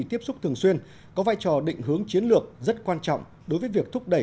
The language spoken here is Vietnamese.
tiếp xúc thường xuyên có vai trò định hướng chiến lược rất quan trọng đối với việc thúc đẩy